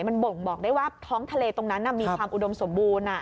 มันบ่งบอกได้ว่าท้องทะเลตรงนั้นมีความอุดมสมบูรณ์